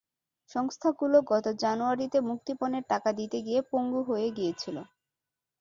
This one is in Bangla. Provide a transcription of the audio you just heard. সংস্থাগুলো গত জানুয়ারিতে মুক্তিপণের টাকা দিতে গিয়ে পঙ্গু হয়ে গিয়েছিল।